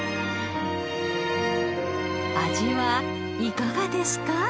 味はいかがですか？